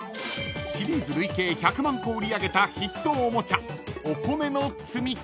［シリーズ累計１００万個売り上げたヒットおもちゃ］